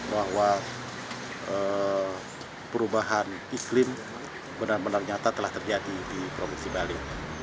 bahwa perubahan iklim benar benar nyata telah terjadi di provinsi bali